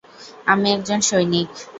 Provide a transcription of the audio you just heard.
আমি একজন সৈনিক।